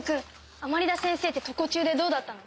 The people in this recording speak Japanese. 甘利田先生って常中でどうだったの？